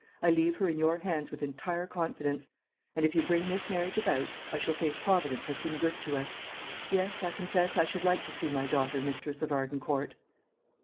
I leave her in your hands with entire confidence; and if you bring this marriage about, I shall say Providence has been good to us. Yes, I confess I should like to see my daughter mistress of Arden Court."